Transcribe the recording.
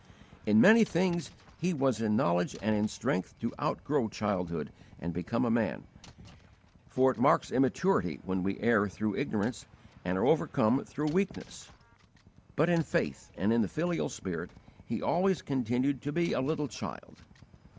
In many things he was in knowledge and in strength to outgrow childhood and become a man, for it marks immaturity when we err through ignorance and are overcome through weakness. But in faith and in the filial spirit, he always continued to be a little child.